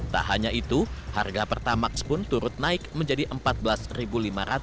tak hanya itu harga pertamax pun turut naik menjadi rp empat belas lima ratus